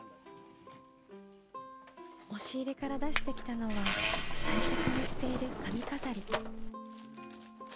押し入れから出してきたのは大切にしている髪飾り。